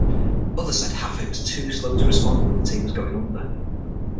Others said Hafey was too slow to respond when the team was going under.